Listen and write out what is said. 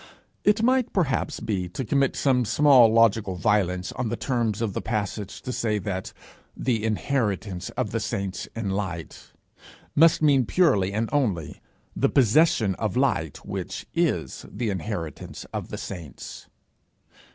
It might perhaps be to commit some small logical violence on the terms of the passage to say that 'the inheritance of the saints in light' must mean purely and only 'the possession of light which is the inheritance of the saints.'